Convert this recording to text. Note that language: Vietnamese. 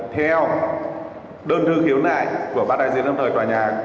theo đơn thư khiếu nại của bác đại diện trong thời tòa nhà